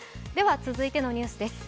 続いてのニュースです。